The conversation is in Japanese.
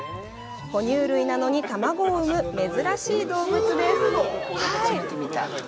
哺乳類なのに卵を産む珍しい動物です。